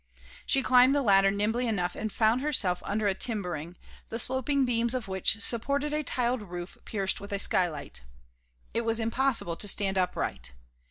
She climbed the ladder nimbly enough and found herself under a timbering, the sloping beams of which supported a tiled roof pierced with a skylight. It was impossible to stand upright.